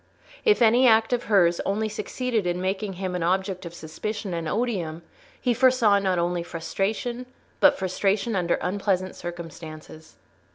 If any act of hers only succeeded in making him an object of suspicion and odium, he foresaw not only frustration, but frustration under unpleasant circumstances.